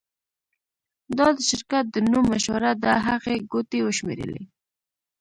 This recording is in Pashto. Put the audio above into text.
دا د شرکت د نوم مشوره ده هغې ګوتې وشمیرلې